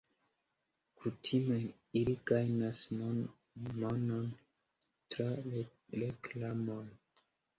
Kutime ili gajnas monon tra reklamoj.